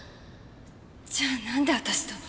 じゃあなんで私と？